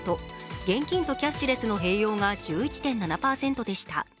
現金とキャッシュレスの併用が１１．７％でした。